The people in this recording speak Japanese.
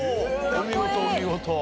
お見事お見事。